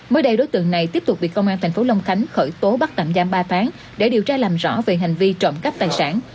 mới đây đối tượng này tiếp tục bị công an thành phố long khánh khởi tố bắt tạm giam ba tháng để điều tra làm rõ về hành vi trộm cắp tài sản